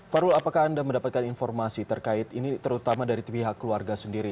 fahrul apakah anda mendapatkan informasi terkait ini terutama dari pihak keluarga sendiri